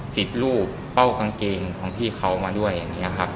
ติดรูปเป้ากางเกงของพี่เขามาด้วยอย่างนี้ครับ